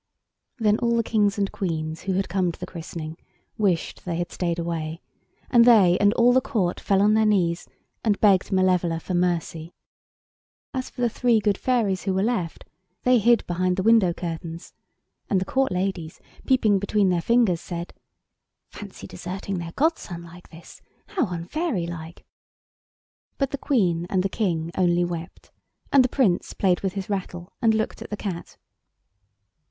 Then all the Kings and Queens who had come to the christening wished they had stayed away, and they and all the Court fell on their knees and begged Malevola for mercy. As for the three good fairies who were left, they hid behind the window curtains, and the Court ladies, peeping between their fingers, said— "Fancy deserting their godson like this! How unfairy like!" But the Queen and the King only wept, and the Prince played with his rattle and looked at the cat.